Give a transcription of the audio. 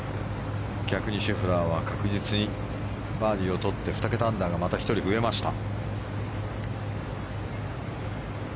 逆にシェフラーは確実にバーディーをとって２桁アンダーがまた１人増えました。